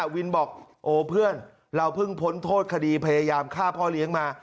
วินบอกโอ้เพื่อนเราเพิ่งพ้นโทษคดีพยายามฆ่าพ่อเลี้ยงมา